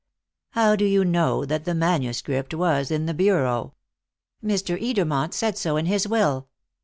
"How do you know that the manuscript was in the bureau?" "Mr. Edermont said so in his will."